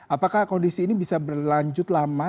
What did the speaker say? apakah kondisi ini bisa berlanjut lama